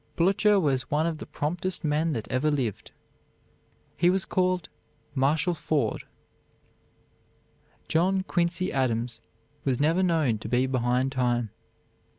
Blücher was one of the promptest men that ever lived. He was called "Marshal Forward." John Quincy Adams was never known to be behind time.